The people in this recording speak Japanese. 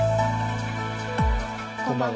こんばんは。